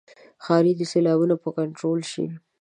ښاري سیلابونه به کنټرول شي.